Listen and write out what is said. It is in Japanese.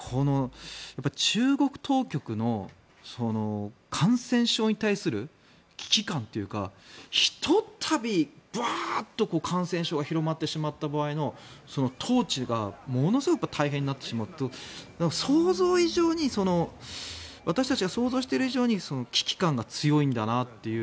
中国当局の感染症に対する危機感というかひとたびブワーッと感染症が広がってしまった場合の統治がものすごく大変になってしまうと私たちが想像している以上に危機感が強いんだなと。